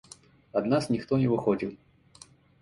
Ад нас ніхто не выходзіў.